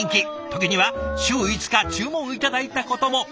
時には週５日注文を頂いたことも。